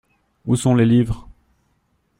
Où sont les livres ?